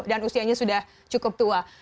dan usianya sudah cukup tua